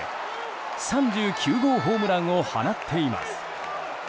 ３９号ホームランを放っています。